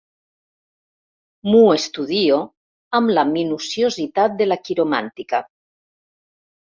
M'ho estudio amb la minuciositat de la quiromàntica.